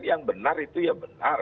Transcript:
yang benar itu benar